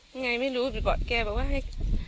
ยังไงไม่รู้บอกแกว่าให้